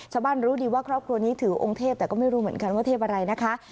รู้ดีว่าครอบครัวนี้ถือองค์เทพแต่ก็ไม่รู้เหมือนกันว่าเทพอะไรนะคะ